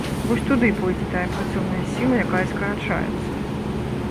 Вось туды пойдзе тая працоўная сіла, якая скарачаецца.